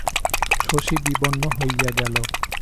শশী বিবর্ণ হইয়া গেল।